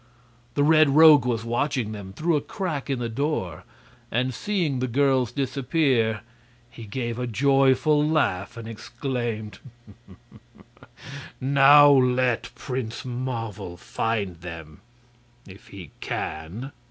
The Red Rogue was watching them through a crack in the door, and seeing the girls disappear he gave a joyful laugh and exclaimed: "Now let Prince Marvel find them if he can!"